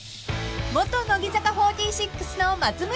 ［元乃木坂４６の松村さん］